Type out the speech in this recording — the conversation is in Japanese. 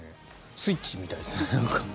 スイッチみたいですね。